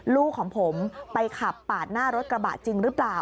ลูกของผมไปขับปาดหน้ารถกระบะจริงหรือเปล่า